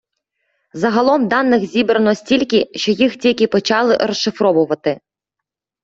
Загалом даних зібрано стільки, що їх тільки почали розшифровувати.